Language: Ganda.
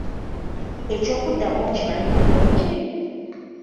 Ekyokuddamu okimanyi bulungi?